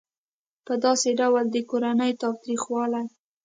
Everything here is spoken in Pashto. په داسې ډول د کورني تاوتریخوالي